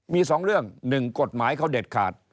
มีสองเรื่องหนึ่งกฎหมายเขาเด็ดขาด